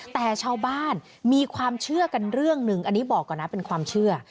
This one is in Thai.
แต่ชาวบ้านมีความเชื่อกันเรื่องหนึ่งอันนี้บอกก่อนนะเป็นความเชื่อ